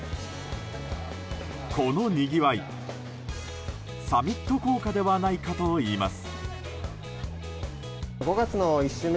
このにぎわいサミット効果ではないかといいます。